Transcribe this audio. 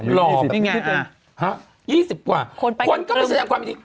ห้ะปวดสิฮัท๒๐กว่าคนก็ไปแสดงความยินดี